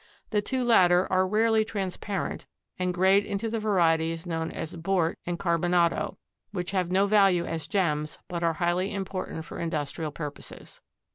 The two latter are rarely transparent and grade into the varieties known as bort and carbonado, which have no value as gems but are highly important for industrial purposes.